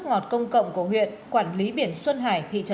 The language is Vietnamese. nó cũng là một cái